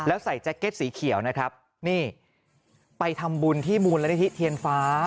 แล้วใส่แจ็คเก็ตสีเขียวนะครับนี่ไปทำบุญที่มูลนิธิเทียนฟ้า